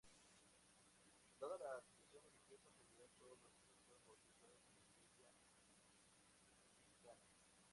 Dada la situación religiosa familiar, todos los hijos fueron bautizados en la Iglesia anglicana.